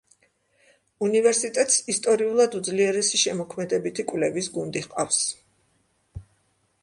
უნივერსიტეტს ისტორიულად უძლიერესი შემოქმედებითი კვლევის გუნდი ჰყავს.